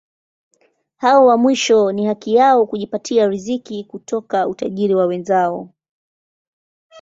Hao wa mwisho ni haki yao kujipatia riziki kutoka utajiri wa wenzao.